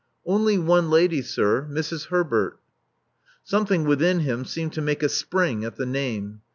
*'Only one lady, sir. Mrs. Herbert." Something within him seemed to make a spring at the name.